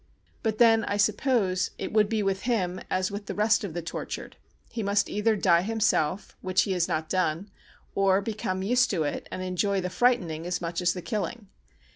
But then I suppose it would be with him as with the rest of the tortured, he must either die himself, which he has not done, or become used to it and enjoy the frightening as much as the killing.